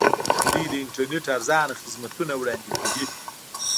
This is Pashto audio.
دوی د انټرنیټ ارزانه خدمتونه وړاندې کوي.